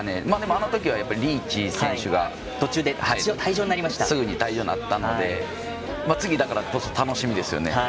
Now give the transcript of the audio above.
あの時はリーチ選手が途中ですぐに退場になったので次、だからこそ、楽しみですよね。